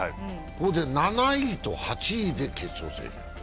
それで７位と８位で決勝戦。